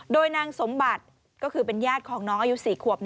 โดยนางสมบัติก็คือเป็นญาติของน้องอายุ๔ขวบ